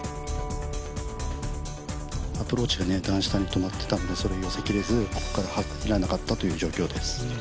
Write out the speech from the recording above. アプローチが段下に止まっていたので、そこから寄せきれずここからはききらなかったという状況です。